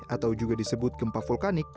atau juga disebut gempa vulkanik